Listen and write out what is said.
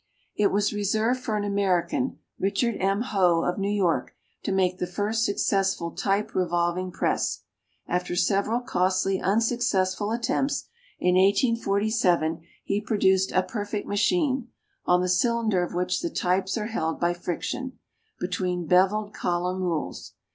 It was reserved for an American, Richard M. Hoe, of New York, to make the first successful type revolving press. After several costly unsuccessful attempts, in 1847 he produced a perfect machine, on the cylinder of which the types are held by friction, between beveled column rules.